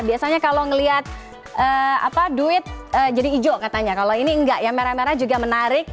biasanya kalau ngelihat duit jadi hijau katanya kalau ini enggak ya merah merah juga menarik